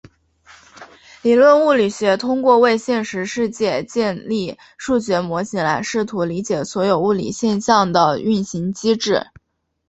理论物理学通过为现实世界建立数学模型来试图理解所有物理现象的运行机制。